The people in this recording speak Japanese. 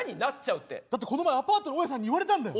だってこの前アパートの大家さんに言われたんだよ。